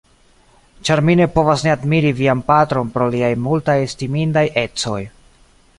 ĉar mi ne povas ne admiri vian patron pro liaj multaj estimindaj ecoj.